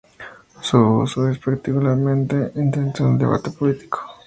Su uso es particularmente intenso en el debate político.